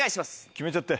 決めちゃって。